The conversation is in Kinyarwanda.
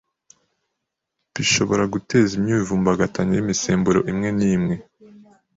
bishobora guteza imyivumbagatanyo y’imisemburo imwe n’imwe